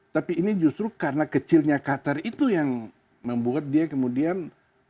tapi ini justru karena kecilnya qatar itu yang membuat dia kemudian